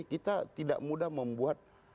kita tidak mudah membuat